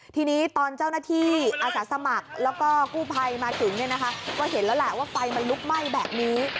ทีนี้ตอนเจ้าหน้าที่อาสาสมัครแล้วก็กู้ภัยมาถึงก็เห็นแล้วแหละว่าไฟมันลุกไหม้แบบนี้